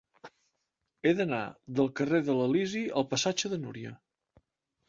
He d'anar del carrer de l'Elisi al passatge de Núria.